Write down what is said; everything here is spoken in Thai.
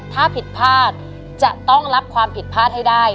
ถ้าผิดพลาดจะต้องรับความผิดพลาดให้ได้